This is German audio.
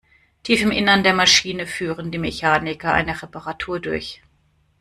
Tief im Innern der Maschine führen die Mechaniker eine Reparatur durch.